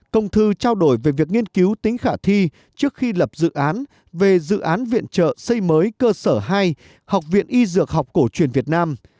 công thư trao đổi về việc nghiên cứu tính khả thi trước khi lập dự án về dự án viện trợ xây mới cơ sở hai học viện y dược học cổ truyền việt nam